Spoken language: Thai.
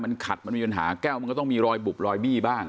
มันขัดมันมีปัญหาแก้วมันก็ต้องมีรอยบุบรอยบี้บ้าง